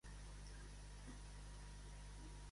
Què ha retret als separatistes?